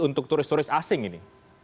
untuk turis turis asing ini